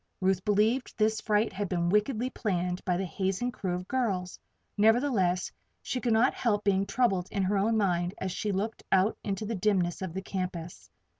Ruth believed this fright had been wickedly planned by the hazing crew of girls; nevertheless she could not help being troubled in her own mind as she looked out into the dimness of the campus.